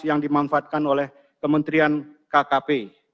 yang dimanfaatkan oleh kementerian kkp